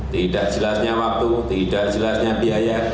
tidak jelasnya waktu tidak jelasnya biaya